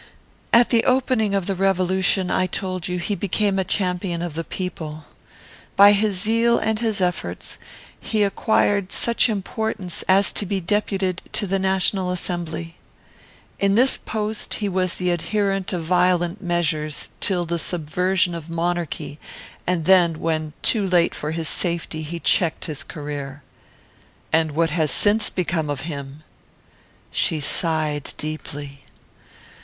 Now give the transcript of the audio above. "At the opening of the Revolution, I told you, he became a champion of the people. By his zeal and his efforts he acquired such importance as to be deputed to the National Assembly. In this post he was the adherent of violent measures, till the subversion of monarchy; and then, when too late for his safety, he checked his career." "And what has since become of him?" She sighed deeply.